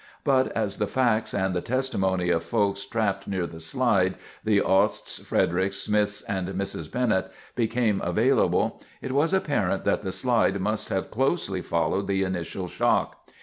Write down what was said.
But, as the facts, and the testimony of folks trapped near the slide—the Osts, Fredericks, Smiths, and Mrs. Bennett—became available, it was apparent that the slide must have closely followed the initial shock.